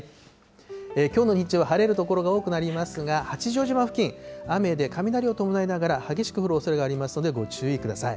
きょうの日中、晴れる所が多くなりますが、八丈島付近、雨で雷を伴いながら、激しく降るおそれがありますのでご注意ください。